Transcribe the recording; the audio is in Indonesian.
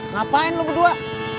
ngapain lo berdua